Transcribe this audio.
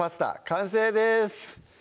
完成です